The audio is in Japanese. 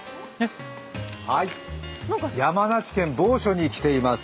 山梨県某所に来ています。